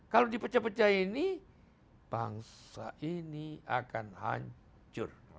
kalau dipecah pecah ini bangsa ini akan hancur